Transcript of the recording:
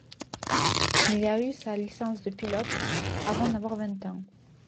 Il a eu sa licence de pilote avant d'avoir vingt ans.